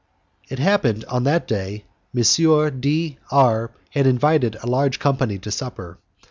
It happened that, on that day, M. D R had invited a large company to supper.